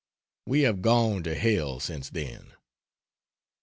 We have gone to hell since then.